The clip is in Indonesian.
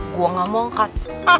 gue gak mau angkat